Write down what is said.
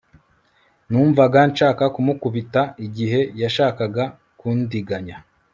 Numvaga nshaka kumukubita igihe yashakaga kundiganya